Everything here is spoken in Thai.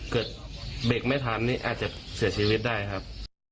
เกิดเบรกไม่ทันนี่อาจจะเสียชีวิตได้ครับ